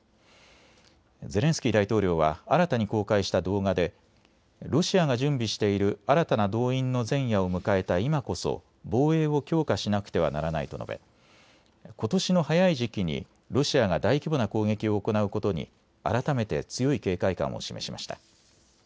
ゼレンスキー大統領は新たに公開した動画でロシアが準備している新たな動員の前夜を迎えた今こそ防衛を強化しなくてはならないと述べ、ことしの早い時期にロシアが大規模な攻撃を行うことに改めて強い警戒感を示しました。